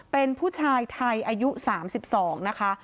เป็นผู้ชายไทยอายุ๓๒นะคะ